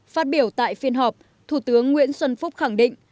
phát biểu tại phiên họp thủ tướng nguyễn xuân phúc khẳng định